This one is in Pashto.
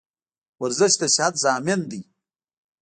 ورزش دصیحت زامین ده